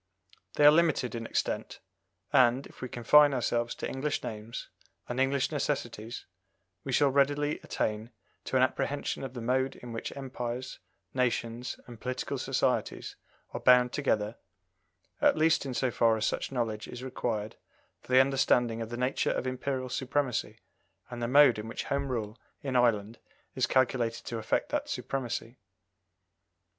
They are limited in extent, and, if we confine ourselves to English names and English necessities, we shall readily attain to an apprehension of the mode in which empires, nations, and political societies are bound together, at least in so far as such knowledge is required for the understanding of the nature of Imperial supremacy, and the mode in which Home Rule in Ireland is calculated to affect that supremacy.